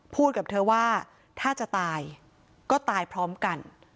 กับเธอว่าถ้าจะตายก็ตายพร้อมกัน